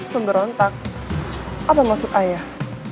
pemberontak apa maksud ayah